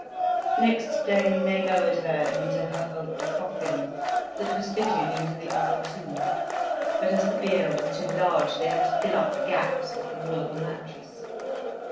Next day they lowered her into her oak coffin, that was fitted into the other two; but as the bier was too large, they had to fill up the gaps with the wool of a mattress.